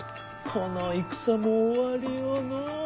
この戦も終わりよのう。